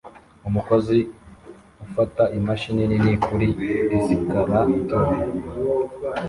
Umukozi ufata imashini nini kuri escalator